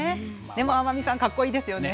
でも天海さん、かっこいいですよね。